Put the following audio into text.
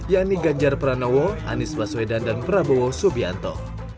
yang diganjar pranowo anies baswedan dan prabowo subianto